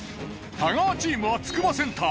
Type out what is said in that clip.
太川チームはつくばセンター